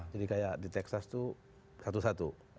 jadi kayak di texas tuh satu satu